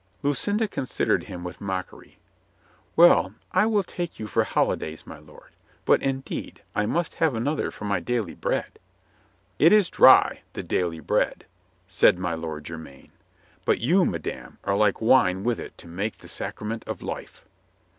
Lucinda considered him with mockery. "Well, I will take you for holidays, my lord. But indeed, I must have another for my daily bread." "It Is dry, the daily bread," said my Lord Jermyn. "But you, madame, are like wine with it to make the sacrament of life."